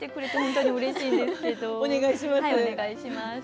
はいお願いします。